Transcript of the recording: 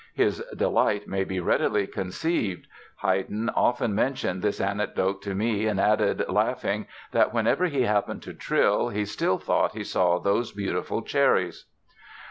His delight may be readily conceived. Haydn often mentioned this anecdote to me and added, laughing, that whenever he happened to trill he still thought he saw those beautiful cherries."